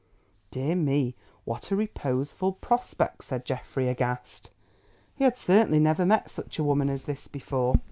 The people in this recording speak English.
"Dear me, what a reposeful prospect," said Geoffrey, aghast. He had certainly never met such a woman as this before.